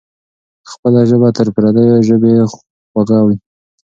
خپله ژبه تر پردۍ ژبې خوږه وي.